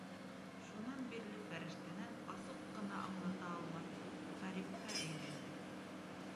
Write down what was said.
Шунан бирле фәрештәнән асыҡ ҡына аңлата алмаҫ ғәрипкә әйләнде.